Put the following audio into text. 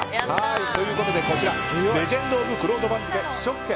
ということでレジェンド・オブ・くろうと番付試食券。